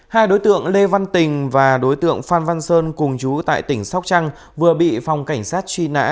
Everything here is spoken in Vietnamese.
hai đối tượng lê văn tình và đối tượng phan văn sơn cùng chú tại tỉnh sóc trăng vừa bị phòng cảnh sát truy nã